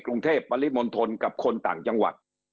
กรุงเทพปริมณฑลกับคนต่างจังหวัด